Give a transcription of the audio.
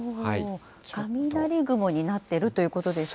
雷雲になっているということですか？